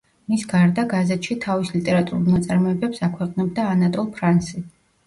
მის გარდა, გაზეთში თავის ლიტერატურულ ნაწარმოებებს აქვეყნებდა ანატოლ ფრანსი.